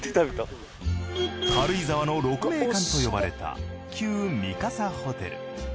軽井沢の鹿鳴館と呼ばれた旧三笠ホテル。